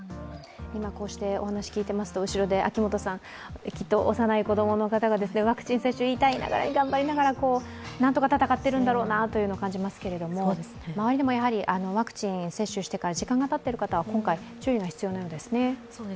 今こうしてお話を聞いていますと、後ろで幼い子供の方がワクチン接種、痛いながら、頑張りながらなんとか戦っているんだろうなと感じますけれども、周りでもワクチン接種してから時間がたっている方は今回、注意が必要なようですね。